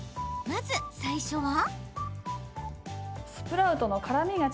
まず、最初は。